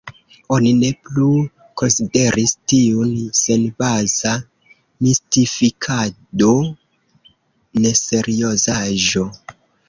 Oni ne plu konsideris tiun senbaza mistifikado, neseriozaĵo.